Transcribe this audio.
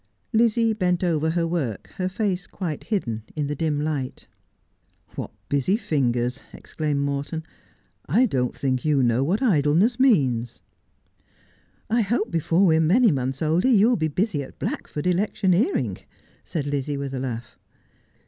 Lizzie bent over her work, her face quite hidden in the dim light. ' What busy fingers !' exclaimed Morton. ' I don't think you know what idleness means.' ' I hope before we are many months older you will be busy at Blackford electioneering,' said Lizzie, with a laugh.